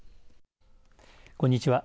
こんにちは。